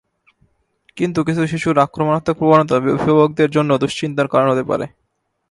কিন্তু কিছু শিশুর আক্রমণাত্মক প্রবণতা অভিভাবকদের জন্য দুশ্চিন্তার কারণ হতে পারে।